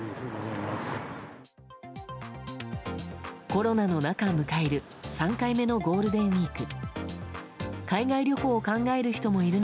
コロナの中、迎える３回目のゴールデンウィーク。